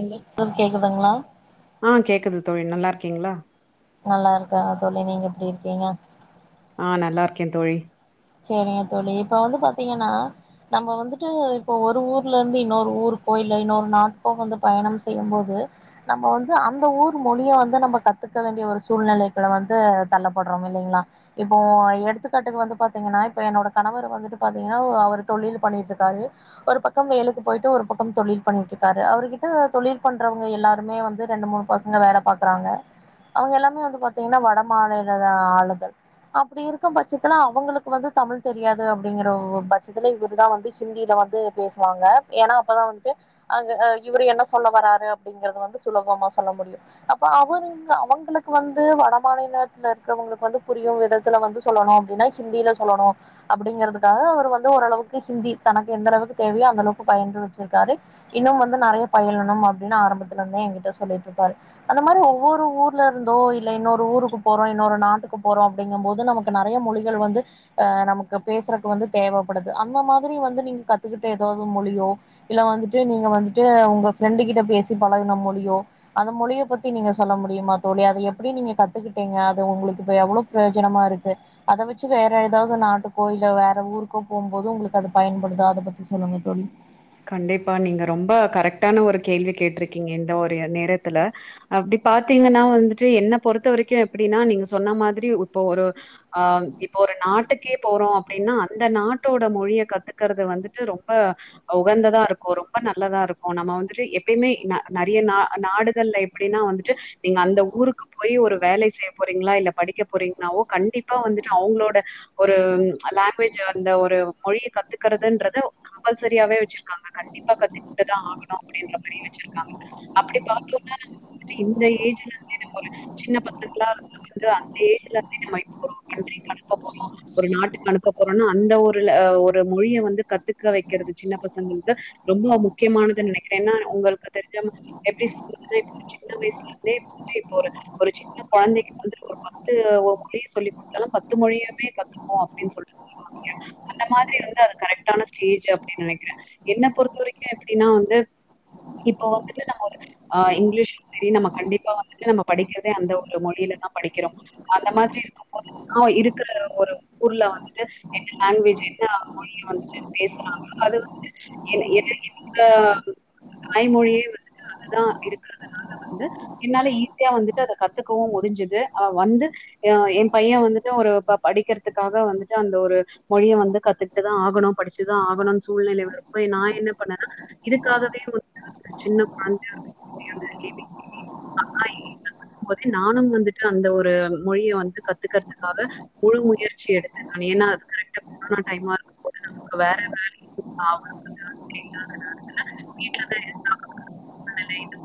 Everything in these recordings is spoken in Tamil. இப்ப கேக்குதுங்களா ஆ கேக்குது தோழி நல்லா இருக்கீங்களா நல்லா இருக்க தோழி நீங்க எப்டி இருக்கீங்க ஆ நல்லா இருக்கே தோழி சேரிங்க தோழி இப்ப வந்து பாத்தீங்கன்னா நம்ம வந்துட்டு இப்போ ஒரு ஊர்ல இருந்து இன்னொரு ஊர்க்கோ இன்னொரு நாட்டுக்கோ வந்து பயணம் செய்யும் போது நம்ம வந்து அந்த ஊர் மொழிய வந்து நம்ம கத்துக்க வேண்டிய ஒரு சூழ்நிலைக்கு வந்து தள்ளப்படுறோம் இல்லைங்களா இப்போ எடுத்துக்காட்டுக்கு வந்து பா பாத்தீங்கன்னா, இப்ப என்னோட கணவர் வந்துட்டு பாத்தீங்கன்னா அவர் தொழில் பண்ணிட்டு இருக்காரு ஒரு பக்கம் வேலைக்கு போயிட்டு ஒரு பக்கம் தொழில் பண்ணிட்டு இருக்காரு அவர்கிட்ட தொழில் பண்றவங்க எல்லாருமே வந்து ரெண்டு மூணு பசங்க வேல பாக்குறாங்க அவங்க எல்லாமே வந்து பாத்தீங்கன்னா வட மாநில ஆளுகள் அப்டி இருக்கும் பட்சத்துல அவங்களுக்கு வந்து தமிழ் தெரியாது அப்படிங்கற பட்சத்துல இவரு தா வந்து ஹிந்தியில வந்து பேசுவாங்க ஏன்னா அப்பதா வந்துட்டு அங்க அ இவரு என்ன சொல்ல வராாரு அப்படிங்கறது வந்து சுலபமா சொல்ல முடியும் அப்ப அவரு அவங்களுக்கு வந்து வட மாநிலத்துல இருக்கிறவங்களுக்கு வந்து புரியும் விதத்துல வந்து சொல்லணும் அப்படின்னா ஹிந்தியில சொல்லணும் அப்படிங்கறதுக்காக அவர் வந்து ஓளவுக்கு ஹிந்தி தனக்கு எந்த அளவுக்கு தேவையோ அந்தளவுக்கு பயின்று வச்சிருக்காரு இன்னும் வந்து நெறைய பயிலனும் அப்டின்னு ஆரம்பத்துல இருந்தே என்கிட்ட சொல்லிட்டு இருப்பாரு. அந்த மாரி ஒவ்வொரு ஊர்ல இருந்தோ இல்ல இன்னொரு ஊருக்கு போறோம் இன்னொரு நாட்டுக்கு போறோம் அப்படிங்கும் போது நமக்கு நறைய மொழிகள் வந்து அ நமக்கு பேசுறதுக்கு வந்து தேவைப்படுது அந்த மாரி வந்து நீங்க கத்துக்கிட்ட ஏதாவது மொழியோ இல்ல வந்துட்டு நீங்க வந்துட்டு உங்க ஃப்ரெண்டு கிட்ட பேசி பழகுன மொழியோ அந்த மொழியை பத்தி தி நீங்க சொல்ல முடியுமா தோழி அதை எப்டி நீங்க கத்துக்கிட்டீங்க அது உங்களுக்கு எவ்வளவு பிரயோஜனமா இருக்கு அதை வச்சு வேற அதாவது நாட்டுகோ இல்ல வேற ஊருக்கோ போம்போது உங்களுக்கு அது பயன்படுதா அத பத்தி சொல்லுங்க தோழி கண்டிப்பா நீங்க ரொம்ப கரெக்ட் டான ஒரு கேள்வி கேட்டிருக்கீங்க இந்த ஒரு நேரத்துல அப்டி பாத்தீங்கன்னா வந்துட்டு என்ன பொறுத்த வரைக்கும் எப்டின்னா நீங்க சொன்ன மாதிரி இப்போ ஒரு ஆ இப்போ ஒரு நாட்டுக்கே போறோ அப்டின்னா அந்த நாட்டோட மொழிய கத்துக்கறறது வந்துட்டு ரொம்ப டக் உகந்ததா இருக்கு ரொம்ப நல்லதா இருக்கு நம்ம வந்துட்டு எப்பயுமே நறைய நா நாடுகல்ல எப்டின்னா வந்துட்டு நீங்க அந்த ஊருக்கு போய் ஒரு வேலை செய்ய போறீங்களா இல்ல படிக்க போறீங்களன்னாவோ கண்டிப்பா வந்துட்டு அவங்களோட ஒரு லாங்குவேஜ் அந்த ஒரு மொழிய கத்துக்கரதுன்றது கம்பல்ஷ ஷரியாவே வச்சிருக்காங்க கண்டிப்பா கத்துட்டுதா ஆகணு அப்டின்ற மாரி வச்சிருக்காங்க அப்படி பாத்தோம்னா நம்ம வந்துட்டு இந்த ஏஜ்ல இருந்து நம்ம ஒரு சின்ன பசங்களா அந்த ஏஜ்ல இருந்தே நம்ம இப்ப அனுப்ப போறோ ஒரு நாட்டுக்கு அனுப்ப போறோன்னா அந்த ஒரு ஊர்ல ஒரு மொழிய வந்து கத்துக்க வைக்க கிறது சின்ன பசங்களுக்கு ரொம்ப முக்கியமானது நினைக்கிறே ஏன்னா உங்களுக்கு தெரிஞ்சா எப்டி சொல்றதுனா சின்ன வயசுல இரு இப்ப சின்ன கொழந்தைக்கு வந்து ஒரு பத்து மொழிய சொல்லி் கொடுத்தாலு பத்து மொழியையுமே கத்துக்கு அப்படின்னு சொல்ட்டு சொல்லுவங்க அந்த மாதிரி வந்து அது கரெக்டான ஸ்டேஜ் நெனைக்கிறே என்ன பொறுத்த வரைக்கும் எப்படின்னா வந்து இப்ப வந்துட்டு நம்ம ஒரு ஆ இங்கிலீஷும் செரி நம்ம கண்டிப்பா வந்துட்டு நம்ம படிக்கிறதே அந்த ஒரு மொழியிலதா படிக்கிறோ அந்த மாதிரி இருக்கும் போது இன்னு இருக்ற ஒரு ஊர்ல வந்துட்டு என்ன லாங்குவேஜ் என்ன ஆகும் மொழிய வந்துட்டு பேசுனா அது வந்து எ எந்த தாய்மொழியே வந்துட்டு அதுதா இருக்கிறதுனால வந்து என்னால ஈஸியா வந்துட்டு அத கத்துக்கவும் முடிஞ்சுது அ வந்து என் பைய வந்துட்டு ஒரு படிக்கிறதுக்காக வந்துட்டு அந்த ஒரு மொழிய வந்து கத்துட்டுதா ஆகணு படிச்சுதா ஆகணும் சூழ்நிலை வரப்போ நா என்ன பண்ணேன்னா இதுக்காகவே வந்து சின்ன குழந்தையாருக்கும் போதே நானும் வந்துட்டு அந்த ஒரு மொழியை வந்து கத்துக்கறதுக்காக முழு முயற்சி எடுத்தே ஏன்னா அது கரெக்டா கொரோனா டைமா இருக்கும்போது நமக்கு வேல வேற கத்துக்கிட்டு ஆகனுந்தா செரிங்களா அந்த நேரத்துல வீட்ல வேற எந்த வேலையு இல்ல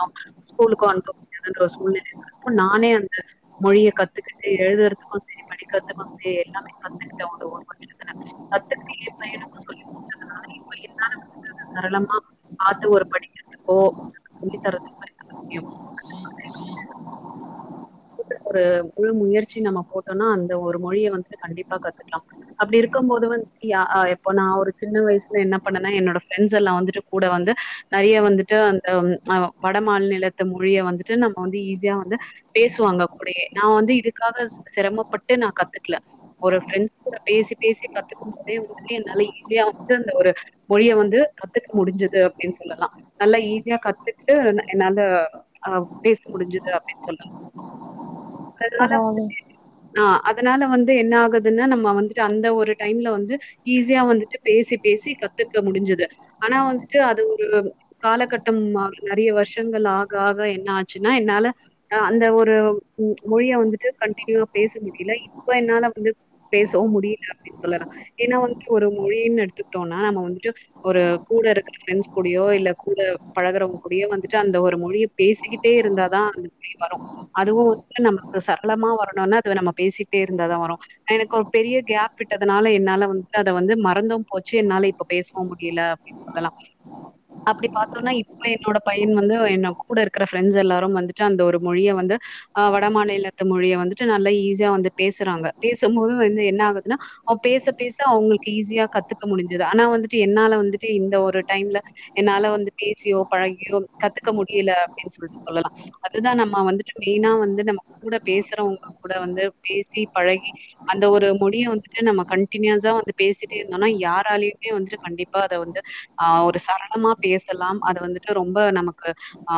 கத்துக்கிட்டே ஆகனுன்ற சூழ்நிலைல நானே அந்த மொழிய கத்துக்கிட்டு எழுதுறதுக்கும் செரி படிக்கிறதுக்கும் செரி எல்லாமே கத்துக்கிட்ட ஒரு ஒரு வருஷத்ல கத்துக்கிட்டு ஏ பையனுக்கு சொல்லி கொடுத்ததுனால இப்ப என்னால வந்து சரளமா பாத்து ஒரு படித்குறதுக்கோ சொல்லி தரதுக்கோ ஒரு முழு முயற்சி நம்ம போட்டோம்னா அந்த ஒரு மொழிய வந்துட்டு கண்டிப்பா கத்துக்கலா அப்டி இருக்கும் போது வந்து யா இப்போ நா ஒரு சின்ன வயசுல என்ன பண்ணேனா என்னோட ஃப்ரெண்ட்ஸ்லாம் வந்துட்டு கூட வந்து நறைய வந்துட்டு அந்த அ வட மாநிலத்து மொழிய வந்துட்டு நம்ம வந்து ஈஸியா வந்து பேசுவாங்க கூடேயே நா வந்து இதுக்காக சிரமப்பட்டு நா கத்துக்கல ஒரு ப்ரெண்ட்ஸ் கூட பேசி பேசி கத்துக்கும்போதே வந்துனல்ல ஈஸியா வந்து அந்த ஒரு மொழிய வந்து கத்துக்க முடிஞ்சுது அப்டின்னு சொல்லலா நல்லா ஈஸியா கத்துட்டு என்னால அ பேச முடிஞ்சுது அப்படின்னு சொல்லலா பரவால்ல [unintelligible] ஆ அதனால வந்து என்ன ஆகுதுன்னா நம்ம வந்துட்டு அந்த ஒரு டைம்ல வந்து ஈஸியா வந்துட்டு பேசி பேசி கத்துக்க முடிஞ்சுது ஆனா வந்துட்டு அது ஒரு காலகட்டம் நறைய வருஷங்கள் ஆக ஆக என்ன ஆச்சுன்னா என்னால ஆ அந்த ஒரு மொழிய வந்துட்டு கண்டினியூவா பேச முடியல இப்ப என்னால வந்து பேசவும் முடியல அப்டின்னு சொல்லலாம் ஏன்னா வந்துட்டு ஒரு மொழினு எடுத்துக்கிட்டோம்னா நம்ம வந்துட்டு ஒரு கூட இருக்கிற ஃப்ரெண்ட்ஸ் கூடயோ இல்லை கூட பழகுறவங்க கூடையோ வந்துட்டு அந்த ஒரு மொழிய பேசிக்கிட்டே இருந்தா தா அந்த மொழி வரு அதுவும் வந்து நமக்கு சரளமா வரணும்னா அது நம்ம பேசிட்டே இருந்தாதா வரும் எனக்கு ஒரு பெரிய கேப் விட்டதுனால என்னால வந்துட்டு அத வந்து மறந்தும் போச்சு என்னால இப்ப பேசுவவும் முடியல அப்படின்னு சொல்லலாம் அப்படி பார்த்தோம்னா இப்ப என்னோட பையன் வந்து என்ன கூட இருக்கிற ப்ரெண்ட்ஸ் எல்லாரும் வந்துட்டு அந்த ஒரு மொழிய வந்து வட மாநிலத்த மொழிய வந்துட்டு நல்லா ஈஸியா வந்து பேசுறாங்க பேசும்போது வந்து என்ன ஆகுதுன்னா பேச பேச அவங்களுக்கு ஈஸியா கத்துக்க முடிஞ்சது ஆனா வந்துட்டு என்னால வந்துட்டு இந்த ஒரு டைம்ல என்னால பேசியோ பழகியோ கத்துக்க முடியல அப்படின்னு சொல்லி சொல்லலாம் அதுதா நம் நம்ம வந்துட்டு மெயினா வந்து நம்ம கூட பேசுறவங்க கூட வந்து பேசி பழகி அந்த ஒரு மொழியை வந்துட்டு நம்ம கண்டினியூஸா வந்து பேசிட்டே இருந்தோம்னா யாராலயுமே வந்துட்டு கண்டிப்பா அதை வந்து ஆ ஒரு சரளமா பேசலாம் அதது வந்துட்டு ரொம்ப நமக்கு ஆ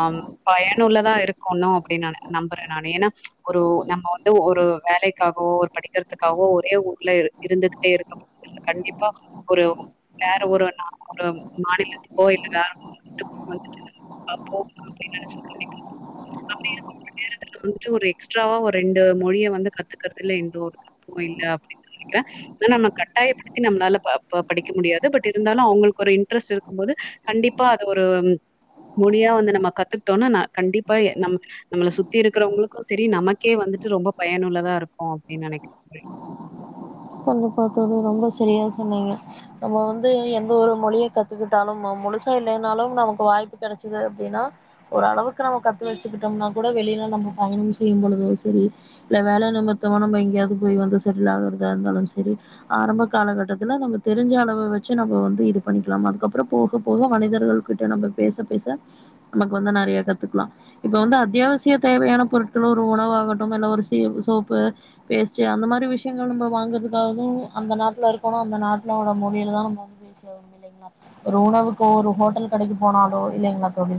பயனுள்ளதா இருக்கணு அப்டி ந நம்புறே நா ஏன்னா ஒரு நம்ம வந்து ஒரு வேலைக்காகவோ ஒரு படிக்கிறதுக்காகோ ஒரே ஊர்ல இருந்துகிட்டே இருக்கல கண்டிப்பா ஒரு வேற ஒரு நா ஒரு மாநிலத்துக்கோ இல்ல வேற நாட்டுக்கோ வந்து அப்படின்னு நினைச்ச அப்டி இருக்க நேரத்துல வந்துட்டு நம்ப ஒரு எக்ஸ்ட்ராவா ஒரு ரெண்டு மொழியை வந்து கத்துக்கறதுல எந்த ஒரு தப்பும் இல்ல அப்படின்னு நினக்கிறே ஆனா நம்ம கட்டாயப்படுத்தி நம்மளால படிக்க முடியாது பட் இருந்தாலும் அவங்களுக்கு ஒரு இன்ட்ரெஸ்ட் இருக்கும் போது கண்டிப்பா அது ஒரு மொழியா வந்து நம்ம கத்துட்டோம்னா ந கண்டிப்பா நம்ம நம்மள சுத்தி இருக்கிறவங்களுக்கும் செரி நமக்கே வந்துட்டு ரொம்ப பயனுள்ளதா இருக்கும் அப்படின்னு நனைக்கிறே கண்டிப்பா தோழி ரொம்ப சரியா சொன்னீங்க நம்ம வந்து எந்த ஒரு மொழிய கத்துக்கிட்டாலு முழுசா இல்லைனாலு நமக்கு வாய்ப்பு கிடைச்சிது அப்படின்னா ஒருரளவுக்கு நம்ம கத்து வச்சுக்கிட்டோம்னா கூட வெளியிலா நம்ம பயணம் செய்யும் பொழுது சரி இல்ல வேலை நெமத்தமா நம்ம எங்கேயாவது போய் வந்து செட்டில் ஆகறது இருந்தாலு செரி ஆரம்ப காலகட்டத்துல நம்ம தெரிஞ்ச அள வச்சு நம்ம வந்து இது பண்ணிக்கலா அதுக்கப்பறம் போக போக மனிதர்கள் கிட்ட ந பேச பேச நமக்கு வந்து நிறைய கத்துக்கலாம் இப்ப வந்து அத்தியாவசிய தேவையான பொருட்களு ஒரு உணவாகட்டு இல்ல ஒரு சோப்பு பேஸ்ட் அந்த மாரி விஷயங்கள் நம்ம வாங்கறதுக்காகவு அந்த நாட்டுல இருக்கணு அந்த நாட்டுலோட மொழியில தா நம்ம வந்து பேசியாகணும் இல்லைங்களா ஒரு உணவுக்கு ஒரு ஹோட்டல் கடைக்கு போனாலோ இல்லைங்களா தோழி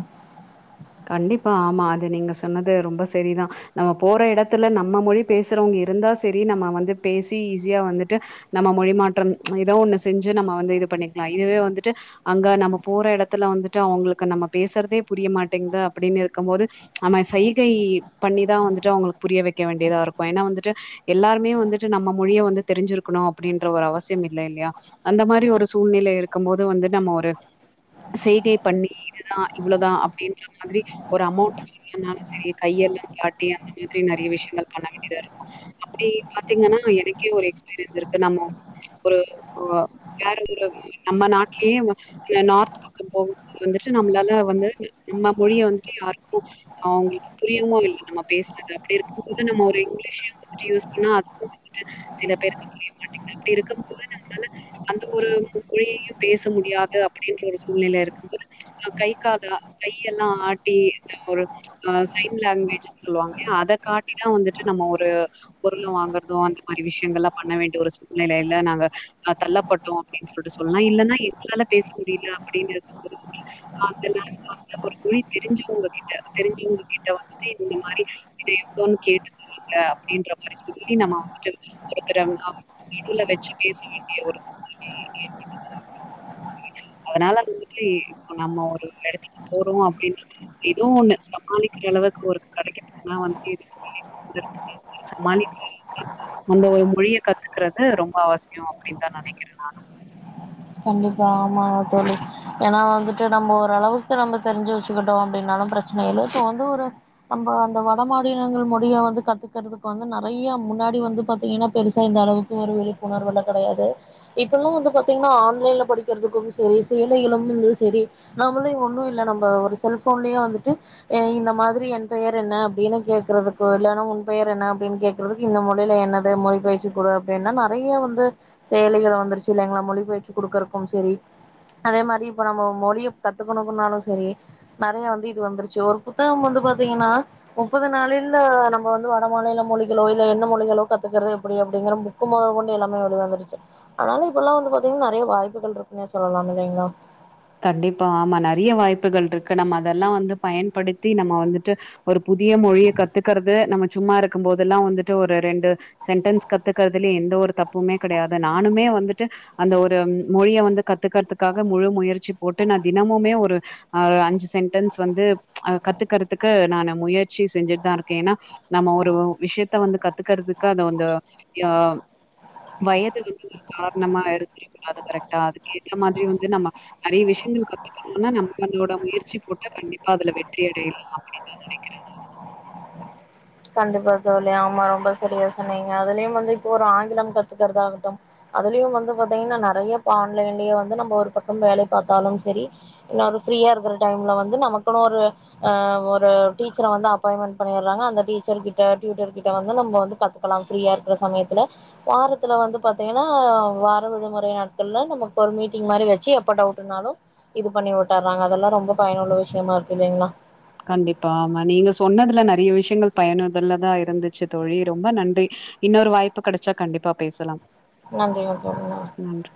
கண்டிப்பா ஆமா அது நீங்க சொன்னது ரொம்ப செரிதா நம்ம போற இடத்துல நம்ம மொழி பேசுறவங்க இருந்தா செரி நம்ம வந்து பேசி ஈஸியா வந்துட்டு நம்ம மொழி மாற்றம் ப்ச் ஏதோ ஒண்ணு செஞ்சு நம்ம வந்து இது பண்ணிக்கலா இதுவே வந்துட்டு அங்க நம்ம போற இடத்துல வந்துட்டு அவங்களுக்கு நம்ம பேசுறதே புரிய மாட்ட ங்க அப்டினு இருக்கும்போது ப்ச் நம்ம சைய்கை பண்ணிதா வந்துட்டு அவுங்களுக்கு புரிய வைக்க வேண்டியதா இருக்கு ஏனா வந்துட்டு எல்லாருமே வந்துட்டு நம்ம மொழிய வந்து தெரிஞ்சிருக்கணு அப்படின்ற ஒரு அவசியம் இல்ல இல்லயா அந்த மாரி ஒரு சூழ்நிலை இருக்கும்போது வந்து நம்ம ஒரு செய்கை பண்ணி இதுதா இவ்வளவுதா அப்டினு மாரி ஒரு அமௌண்ட் சொல்லனாலு சரி கையெல்லாங் காட்டி அந்த மாரி நெறய விஷயங்கள் பண்ண வேண்டியதா இருக்கு அப்படி பாத்தீங்கன்னா எனக்கே ஒரு எக்ஸ்பீரியன்ஸ் இருக்கு நம்ம ப்ச் ஒரு வேற ஒரு நம்ம நாட்லயே நார்த் பக்கோ போகும்போது வந்துட்டு நம்மளால வந்து நம்ம மொழிய வந்துட்டு யாருக்கு அவுங்களுக்கு புரியவு இல்ல நம்ம பேசுறது அப்படி இருக்கும்போது நம்ம ஒரு இங்கிலீஷையும் வந்துட்டு யூஸ் பண்ணா அதுவும் வந்துட்டு சில பேருக்கு புரிய மாட்டேங்கது அப்படி இருக்கும்போது நம்மாளால அந்த ஒரு மொழியையு பேச முடியாது அப்படின்ற ஒரு சூழ்நிலை இருக்கும்போது நம்ம கை கால கையெல்லா ஆட்டி இந்த ஒரு ஆஹ ப்ச் சைன் லாங்குவேஜ் சொல்லுவாங்கில்லயா அத காட்டிதா வந்துட்டு நம்ம ஒரு பொருள் வாங்கறதோ அந்த மாதிரி விஷயங்கள் எல்லா பண்ண வேண்டிய ஒரு சூழ்நிலையில நாங்க தள்ளப்பட்டோ அப்டினு சொல்ட்டு சொல்லா இல்லனா எங்களால பேச முடியல அப்படின்றது [unintelligible] அந்த ஒரு மொழி தெரிஞ்சவங்க கிட்ட தெரிஞ்சவங்க கிட்ட வந்து இந்த மாரி இத எவ்ளோனு கேட்டு சொல்லுங்க அப்படின்ற மாரி சொல்லி நம்ம வந்துட்டு ஒருத்தர மிடில்ல வெச்சு பேச வேண்டிய ஒரு சூழ்நிலை ஏற்பட்டுது அதனால வந்துட்டு இப்ப நம்ம ஒரு இடத்துக்கு போறோ அப்படின்ற ஏதோ ஒண்ணு சமாளிக்கிற அளவுக்கு ஒரு கடைக்கு போனா வந்துட்டு சமாளிக்க அந்த ஒரு மொழியை கத்துக்கறது ரொம்போ அவசியம் அப்டினுதா நினைக்கிற நானு வந்து இப்ப ஆமாங் தோழி ஏனா வந்துட்டு நம்ம ஓரளவுக்கு நம்ம தெரிஞ்சு வெச்சுக்கிட்டோ அப்படினாலும் பிரச்சன இல்ல இப்ப வந்து ஒரு நம்ப அந்த வட மாநிலங்க மொழிய வந்து கத்துக்கிறதுக்கு வந்து நெறயா முன்னாடி வந்து பாத்தீங்கன்னா பெருசா இந்த அளவுக்கு ஒரு விழிப்புணர்வு கேடையாது இப்பெல்லா வந்து பாத்தீங்கன்னா புள்ளைங்கள படிக்கிறதுக்கும் செரி சேலைகளும் இரு செரி நம்மளு ஒன்னு இல்ல நம்ம ஒரு செல்போன்லயே வந்துட்டு இந்த மாதிரி என் பெயர் என்ன அப்படின்னு கேக்குறதுக்கு இல்லைனா உன் பெயர் என்ன அப்படின்னு கேக்குறதுக்கு இந்தொழில என்னத மொழி [unintelligible] அப்படின்னா நெறய வந்து சேலைகளும் வந்துருச்ச இலைங்களா மொழி பெயர் கத்துக்குடுக்கிறக்கும் சரி ப்ச் அதே மாரி இப்ப நாம மொழிய கத்துக்கணும்னாலும் சரி நெறய வந்து இது வந்துருச்சு ஒரு புத்தகோ வந்து பாத்தீங்கன்னா முப்பது நாளேல நம்ம வந்து வட மாநில மொழிகளோ இல்ல என்ன மொழிகளோ கத்துக்கிறது எப்படி அப்படிங்கற புக்கு முதல் கொண்டு எல்லாமே வந்துருச்சு அதனால இப்பெல்லா வந்து இப்பவு நெறய வாய்ப்புகள் இருக்குனே சொல்லலா இல்லைங்களா கண்டிப்பா ஆமா நெறயா வாய்ப்புகள் இருக்கு நம்ம அதெல்லா வந்து பயன்படுத்தி நம்ம வந்துட்டு ஒரு புதிய மொழிய கத்துக்கிறது நம்ம சும்மா இருக்கும் போதெல்லா வந்துட்டு ஒரு ரெண்டு சென்டன்ஸ் கத்துக்கிறதுல எந்த ஒரு தப்புமே கிடையாது நானுமே வந்துட்டு அந்த ஒரு மொழிய வந்து கத்துக்கிறதுக்காக முழு முயற் சி போட்டு நா தினமுமே ஒரு ஆ அஞ்சு சென்டன்ஸ் வந்து அ ப்ச் கத்துக்கிறதுக்கு நா முயற்சி செஞ்சுட்டுதா இருக்க ஏனா நம்ம ஒரு விஷயத்த வந்து கத்துக்கிறதுக்கு அத வந்த வயது வந்து ஒரு காரணமா இருக்கல்ல அது கரெக்டா கேட்ட மாதிரி வந்து நம்ம நெறய விஷ்யங்கள் கத்துக்கணும்னா நம்மளோட முயற்சி போட்டா கண்டிப்பா அதுல வெற்றி அடையலாம் அப்படினு நெனைக்கிற நானு கண்டிப்பா தோழி ஆமா ரொம்ப சரியா சொன்னீங்க அதுலயும் வந்து இப்ப ஒரு ஆங்கிலம் கத்துக்கிறதாகட்டும் அதுலயும் வந்து பாத்தீங்கன்னா நெறயா இப்ப ஆன்லைன்லயே வந்து நம்ம ஒரு பக்கம் வேலை பார்த்தாலும் சரி இன்னொரு ஃப்ரீயா இருக்கிற டைம்ல வந்து நமக்குனு ஒரு ஆஹ் ஒரு டீச்சரை வந்து அப்பாயின்மெண்ட் பண்ணிடடறாங்க அந்த டீ [unintelligible] கிட்ட டியூட்டர் கிட்ட வந்து நம்ம வந்து கத்துக்கலா ஃப்ரீயா இருக்கிற சமயத்துல வாரத்துல வந்து பாத்தீங்கன்னா வார விடுமுறை நாட்கள்ல நமக்கு ஒரு மீட்டிங் மாரி வச்சு எப்ப டவுட்டுனாலு இது பண்ணி விட்டறாங்க அதெல்லா ரொம்ப பயனுள்ள விஷ்யமா இருக்கு இல்லங்களா கண்டிப்பா ஆமா நீங்க சொன்னதுல நெறைய விஷயங்கள் பயனுதுல்லதா இருந்துச்சு தோழி ரொம்ப நன்றி இன்னோரு வாய்ப்பு கெடச்சா கண்டிப்பா பேசலாம் நன்றி [unintelligible] நன்றி.